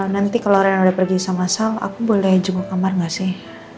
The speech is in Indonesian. nanti kalau rena udah pergi sama sal aku boleh jungguk kamar nggak sih